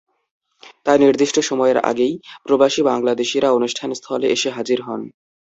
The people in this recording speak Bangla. তাই নির্দিষ্ট সময়ের আগেই প্রবাসী বাংলাদেশিরা অনুষ্ঠান স্থলে এসে হাজির হন।